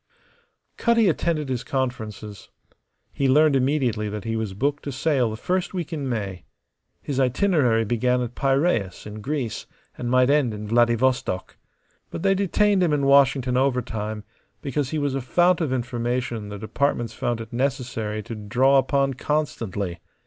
Cutty attended his conferences. He learned immediately that he was booked to sail the first week in May. His itinerary began at Piraeus, in Greece, and might end in Vladivostok. But they detained him in Washington overtime because he was a fount of information the departments found it necessary to draw upon constantly.